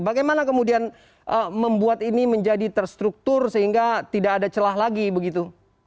bagaimana kemudian membuat ini menjadi terstruktur sehingga tidak ada celah lagi begitu